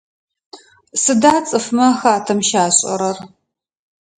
Сыда цӏыфмэ хатэм щашӏэрэр?